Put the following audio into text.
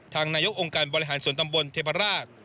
นายกองค์การบริหารส่วนตำบลเทพราช